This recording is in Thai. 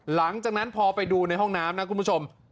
หลังจากนั้นพอไปดูในห้องน้ำนะคุณผู้ชม